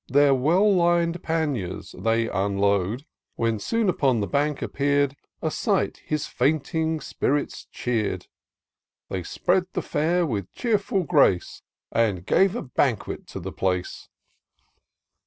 Their well lin'd panniers they unload ; When soon upon the bank appeared A sight his fainting spirits cheer'd : They spread the fare with cheerful grace, And gave a banquet to the place.